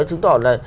nói rõ là